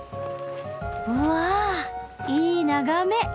うわぁいい眺め！